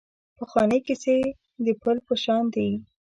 پخوانۍ کیسې د پل په شان دي .